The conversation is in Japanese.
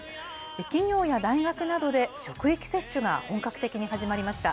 企業や大学などで職域接種が本格的に始まりました。